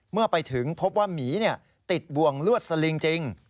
เมื่อไปถึงพบว่าหมีติดบ่วงลวดสลิงจริง